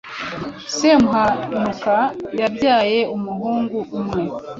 Semuhanuka yabyaye umuhungu umwe,